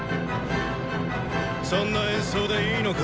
そんな演奏でいいのか？